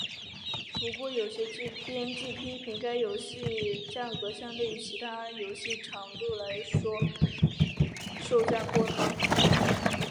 不过有些编辑批评该游戏价格相对于其游戏长度来说售价过高。